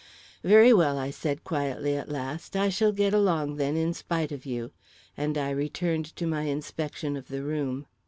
"Very well," I said quietly at last, "I shall get along, then, in spite of you," and I returned to my inspection of the room.